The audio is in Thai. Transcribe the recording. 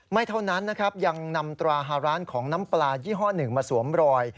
ไม่เท่านั้นนะครับยังนำตราฮาร้านของน้ำปลายี่ห้อหนึ่งมาสวมรอย